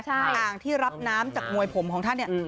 ทางที่รับน้ำจากมวยผมของท่านเนี่ย